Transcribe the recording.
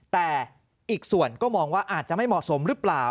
แต่อีกส่วนก็มองว่าอาจจะไม่เหมาะสมหรือเปล่า